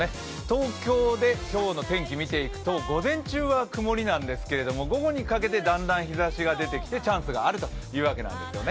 東京で今日の天気見ていくと、午前中は曇りなんですけど、午後にかけてだんだん日ざしが出てきてチャンスがあるというわけなんです。